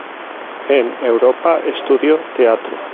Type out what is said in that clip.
En Europa estudio teatro.